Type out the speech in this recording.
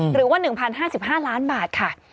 หรือว่า๑๐๕๕ล้านบาทค่ะ